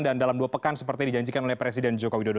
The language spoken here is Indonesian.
dan dalam dua pekan seperti yang dijanjikan oleh presiden joko widodo